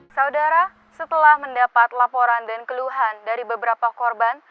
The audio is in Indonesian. saudara setelah mendapat laporan dan keluhan dari beberapa korban